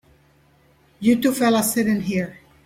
You two fellas sit in here.